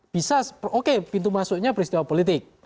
bisa oke pintu masuknya peristiwa politik